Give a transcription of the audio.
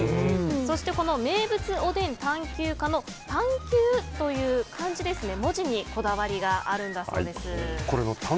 そして、名物おでん探究家の探究という漢字、文字にこだわりがあるんだそうです。